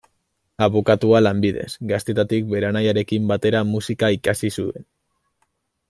Abokatua lanbidez, gaztetatik bere anaiarekin batera musika ikasi zuen.